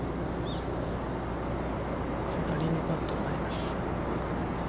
◆下りのパットになります。